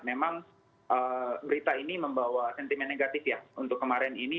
memang berita ini membawa sentimen negatif ya untuk kemarin ini